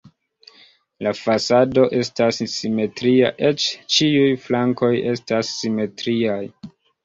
La fasado estas simetria, eĉ ĉiuj flankoj estas simetriaj.